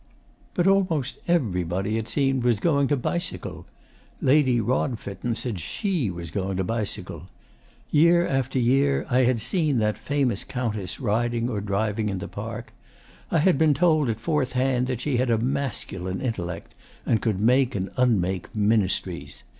But almost everybody, it seemed, was going to bicycle. Lady Rodfitten said SHE was going to bicycle. Year after year, I had seen that famous Countess riding or driving in the Park. I had been told at fourth hand that she had a masculine intellect and could make and unmake Ministries.